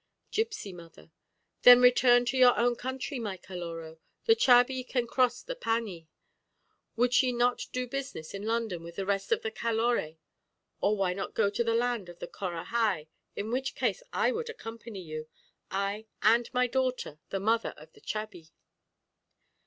Gipsy Mother Then return to your own country, my Caloró; the chabí can cross the paní. Would she not do business in London with the rest of the Caloré? Or why not go to the land of the Corahai? In which case I would accompany you; I and my daughter, the mother of the chabí.